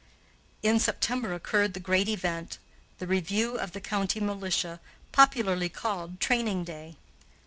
In September occurred the great event, the review of the county militia, popularly called "Training Day."